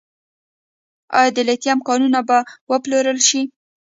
آیا د لیتیم کانونه به وپلورل شي؟